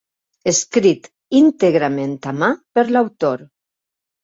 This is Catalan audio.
Escrit íntegrament a mà per l'autor.